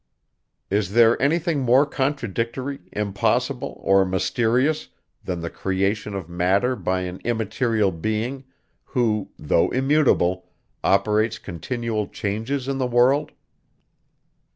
Is there any thing more contradictory, impossible, or mysterious, than the creation of matter by an immaterial being, who, though immutable, operates continual changes in the world?